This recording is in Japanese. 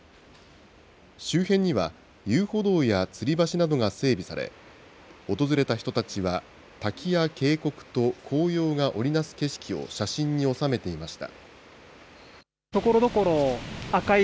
周辺には、遊歩道やつり橋などが整備され、訪れた人たちは、滝や渓谷と紅葉が織り成す景色を写真に収めていました。